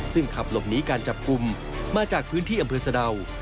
ซึ่งขับหลบหนีการจับกลุ่มมาจากพื้นที่อำเภอสะดาว